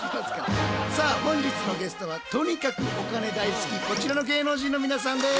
さあ本日のゲストはとにかくお金大好きこちらの芸能人の皆さんです。